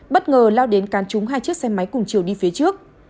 bất ngờ lao đến cán trúng hai chiếc xe máy cùng chiều đi phía trước